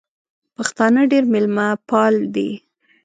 پښتانه ډېر مېلمه پال دي